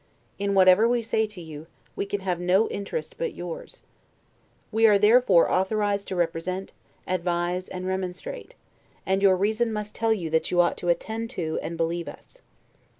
In whatever we say to you, we can have no interest but yours. We are therefore authorized to represent, advise, and remonstrate; and your reason must tell you that you ought to attend to and believe us.